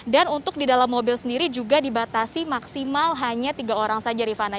dan untuk di dalam mobil sendiri juga dibatasi maksimal hanya tiga orang saja rifana